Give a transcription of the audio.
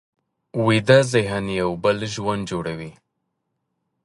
ویده ذهن یو بل ژوند جوړوي